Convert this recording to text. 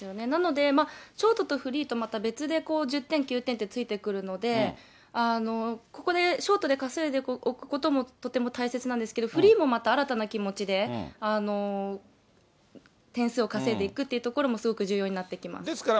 なので、ショートとフリーとまた別でこう、１０点９点ってついてくるので、ここでショートで稼いでおくこともとても大切なんですけど、フリーもまた新たな気持ちで、点数を稼いでいくということもすごく重要になってきます。